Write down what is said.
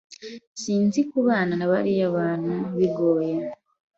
Sinzi kubana nabariya bantu bigoye.